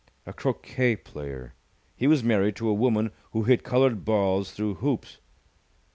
A croquet player! He was married to a woman who hit coloured balls through hoops.